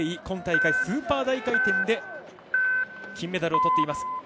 今大会、スーパー大回転で金メダルをとっています。